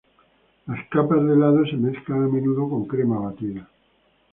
Las capas de helado se mezclan a menudo con crema batida.